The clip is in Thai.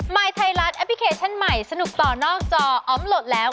ยไทยรัฐแอปพลิเคชันใหม่สนุกต่อนอกจออมโหลดแล้ว